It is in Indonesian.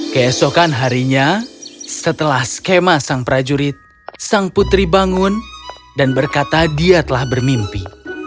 keesokan harinya setelah skema sang prajurit sang putri bangun dan berkata dia telah bermimpi